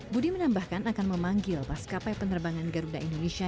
budi menambahkan akan memanggil mas kapai penerbangan garuda indonesia